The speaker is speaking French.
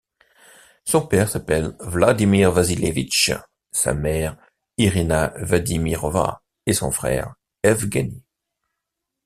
Son père s'appelle Vladimir Vassilievitch, sa mère, Irina Vadimirova et son frère Evgeni.